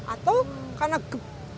atau karena ge